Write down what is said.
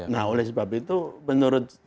nah oleh sebab itu menurut